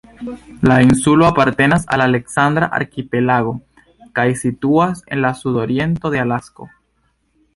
La insulo apartenas al la "Aleksandra arkipelago" kaj situas en la sudoriento de Alasko.